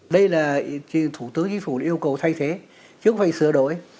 đây là thủ tướng chính phủ yêu cầu thay thế chứ không phải sửa đổi